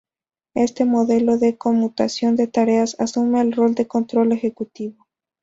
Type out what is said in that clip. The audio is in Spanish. Este modelo de conmutación de tareas asume el rol de control ejecutivo.